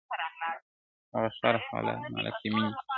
هغه ښار هغه مالت دی مېني تشي له سړیو-